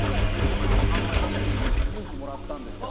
僕かなり勇気もらったんですよ